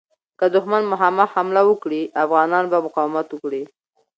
که دښمن مخامخ حمله وکړي، افغانان به مقاومت وکړي.